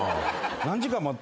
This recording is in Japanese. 何時間待った？